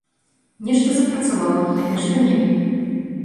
Нешта запрацавала, а нешта не.